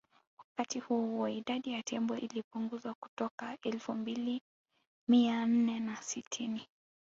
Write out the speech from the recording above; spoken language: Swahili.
Wakati huo huo idadi ya tembo ilipunguzwa kutoka Elfu mbili mia nne na sitini